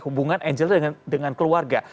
hubungan angela dengan keluarga